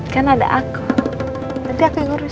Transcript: kan ada aku nanti aku ngurus